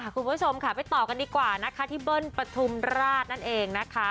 คุณผู้ชมค่ะไปต่อกันดีกว่านะคะที่เบิ้ลปฐุมราชนั่นเองนะคะ